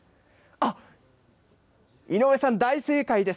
あっ、井上さん、大正解です。